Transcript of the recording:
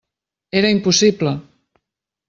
Era impossible!